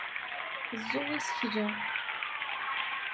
Ẓẓu isekla!